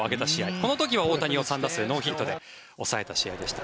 この時は大谷を３打数ノーヒットで抑えた試合でした。